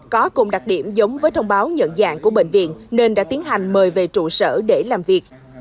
có cùng đặc điểm giống với thông báo nhận dạng của bệnh viện nên đã tiến hành mời về trụ sở để làm việc